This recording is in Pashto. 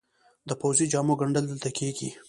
د پوځي جامو ګنډل دلته کیږي؟